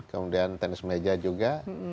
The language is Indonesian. kemudian tenis meja juga